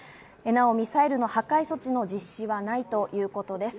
なおミサイルの破壊措置の実施はないということです。